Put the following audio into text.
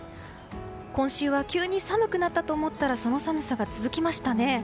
今週は急に寒くなったと思ったらその寒さが続きましたね。